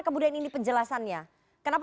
kemudian ini penjelasannya kenapa